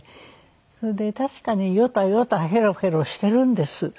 それで確かにヨタヨタヘロヘロしてるんです。